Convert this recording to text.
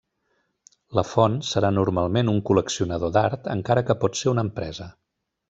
La font serà normalment un col·leccionador d'art, encara que pot ser una empresa.